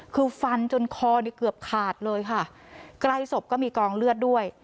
คือฟันจนคอนี่เกือบขาดเลยค่ะใกล้ศพก็มีกองเลือดด้วย